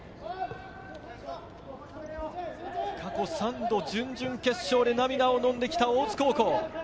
過去３度、準々決勝で涙をのんできた大津高校。